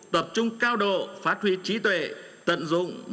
tập trung cao độ phát huy trí tuệ tận dụng